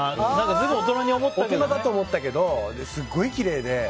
随分、大人だと思ったけどすごいきれいで。